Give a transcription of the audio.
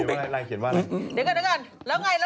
อยากได้